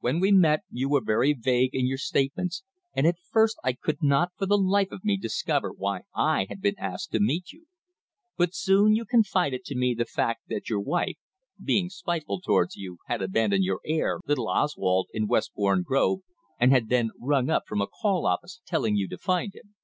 When we met you were very vague in your statements, and at first I could not for the life of me discover why I had been asked to meet you. But soon you confided to me the fact that your wife, being spiteful towards you, had abandoned your heir, little Oswald, in Westbourne Grove, and had then rung up from a call office telling you to find him."